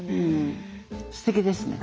すてきですね。